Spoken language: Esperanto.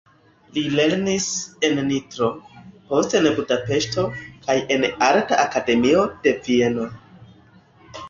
Li lernis en Nitro, poste en Budapeŝto kaj en arta akademio de Vieno.